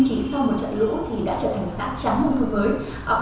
chỉ sau một trại lũ thì đã trở thành xã trắng